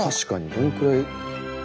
どんくらい？